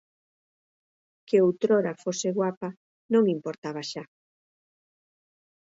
Que outrora fose guapa non importaba xa.